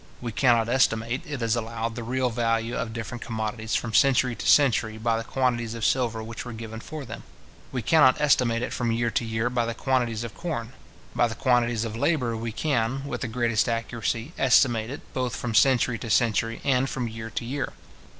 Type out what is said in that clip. We cannot estimate, it is allowed, the real value of different commodities from century to century by the quantities of silver which were given for them. We cannot estimate it from year to year by the quantities of corn. By the quantities of labour, we can, with the greatest accuracy, estimate it, both from century to century, and from year to year.